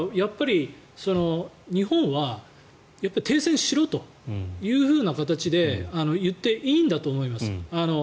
日本は停戦しろという形で言っていいんだと思います。